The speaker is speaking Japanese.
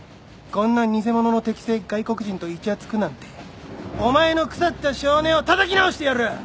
こんな偽者の敵性外国人といちゃつくなんてお前の腐った性根をたたき直してやる！